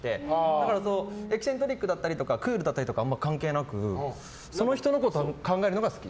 だからエキセントリックだったりクールだったりはあまり関係なくその人のことを考えるのが好き。